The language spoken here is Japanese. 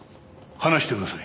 話してください。